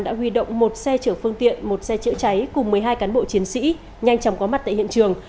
đã huy động một xe chở phương tiện một xe chữa cháy cùng một mươi hai cán bộ chiến sĩ nhanh chóng có mặt tại hiện trường